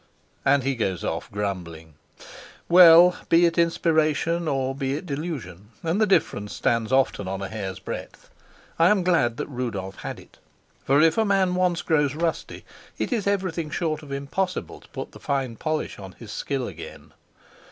And he goes off grumbling. Well, be it inspiration, or be it delusion and the difference stands often on a hair's breadth I am glad that Rudolf had it. For if a man once grows rusty, it is everything short of impossible to put the fine polish on his skill again.